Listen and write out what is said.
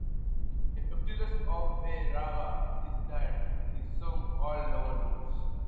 A peculiarity of this raga is that it is sung in all lower notes.